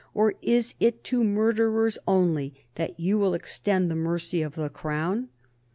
Or is it to murderers only that you will extend the mercy of the Crown?"